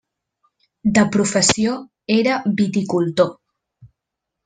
De professió era viticultor.